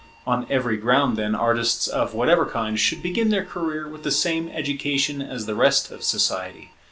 On every ground, then, artists of whatever kind should begin their career with the same education as the rest of society.